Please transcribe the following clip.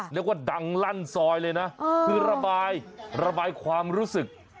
เรียกว่าดังลั่นซอยเลยนะคือระบายระบายความรู้สึก